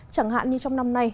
chẳng hạn như trong năm nay